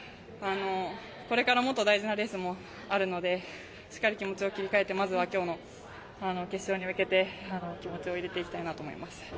これからもっと大事なレースもあるのでしっかり気持ちを切り替えてまずは今日の決勝に向けて気持ちを入れていきたいと思います。